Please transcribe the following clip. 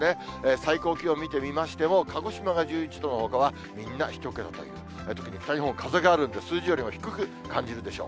最高気温見てみましても、鹿児島が１１度のほかは、みんな１桁という、特に北日本、風があるんで、数字よりも低く感じるでしょう。